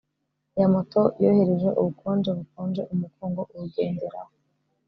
ya moto yohereje ubukonje bukonje umugongo. uyigenderaho